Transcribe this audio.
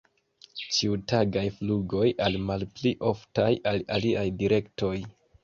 Ĉiutagaj flugoj al malpli oftaj al aliaj direktoj.